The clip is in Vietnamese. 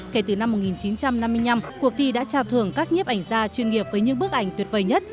kể từ năm một nghìn chín trăm năm mươi năm cuộc thi đã trao thưởng các nhiếp ảnh gia chuyên nghiệp với những bức ảnh tuyệt vời nhất